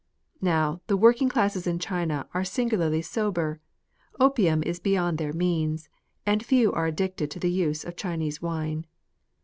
Now the working classes in China are singularly sober ; opium is beyond their means, and few are addicted to the use of Chinese wine.